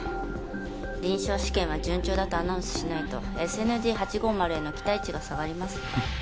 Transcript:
臨床試験は順調だとアナウンスしないとＳＮＤ８５０への期待値が下がります